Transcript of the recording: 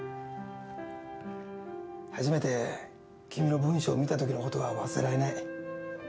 初めて君の文章を見たときのことは忘れられない。